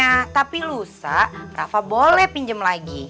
nah tapi lusa rafa boleh pinjem lagi